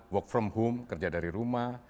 work from home kerja dari rumah